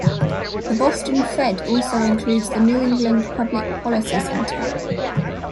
The Boston Fed also includes the New England Public Policy Center.